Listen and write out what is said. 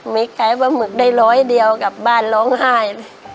ขายปลาหมึกได้ร้อยเดียวกลับบ้านร้องไห้เลย